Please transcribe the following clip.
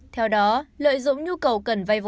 theo đó lợi dụng nhu cầu cần vay vô